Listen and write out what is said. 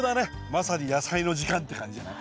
まさに「やさいの時間」って感じじゃない？